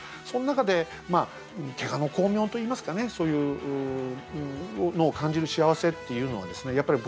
その中で怪我の功名と言いますかねそういうのを感じる幸せっていうのはですね